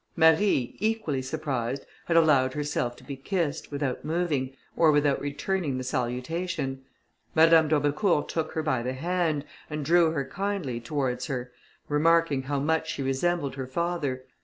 Marie, equally surprised, had allowed herself to be kissed, without moving, or without returning the salutation. Madame d'Aubecourt took her by the hand, and drew her kindly towards her, remarking how much she resembled her father.